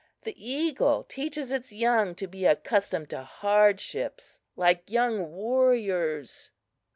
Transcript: The eagle teaches its young to be accustomed to hardships, like young warriors!"